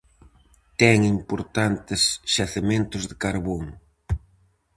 Ten importantes xacementos de carbón.